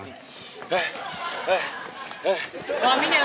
คิดอายเขา